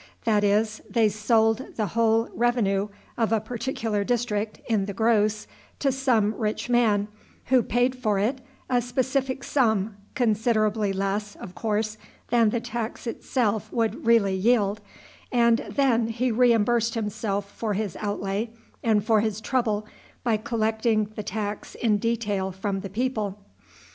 That is, they sold the whole revenue of a particular district in the gross to some rich man, who paid for it a specific sum, considerably less, of course, than the tax itself would really yield, and then he reimbursed himself for his outlay and for his trouble by collecting the tax in detail from the people.